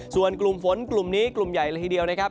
ส่วนกลุ่มฝนกลุ่มนี้กลุ่มใหญ่ครับ